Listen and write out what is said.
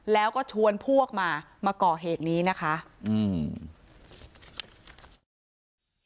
แล้วก็ชวนพวกมามาก่อเหตุนี้นะคะอืม